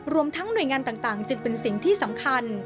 รวมทั้งหน่วยงานต่างจึงเป็นสิ่งที่สำคัญ